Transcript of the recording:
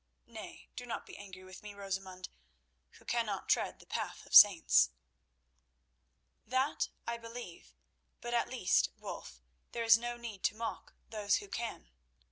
Nay, be not angry with me, Rosamund, who cannot tread the path of saints." "That I believe, but at least, Wulf, there is no need to mock those who can."